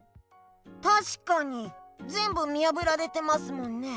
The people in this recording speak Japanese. たしかにぜんぶ見やぶられてますもんね。